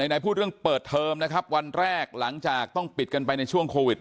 ไหนพูดเรื่องเปิดเทอมนะครับวันแรกหลังจากต้องปิดกันไปในช่วงโควิด